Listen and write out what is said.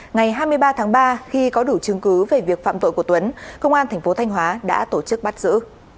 ngày hai mươi ba tháng ba khi có đủ chứng cứ về việc phạm tội của tuấn công an tp thanh hóa đã tổ chức bắt giữ